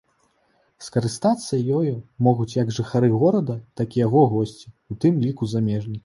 Скарыстацца ёю могуць як жыхары горада, так і яго госці, у тым ліку замежнікі.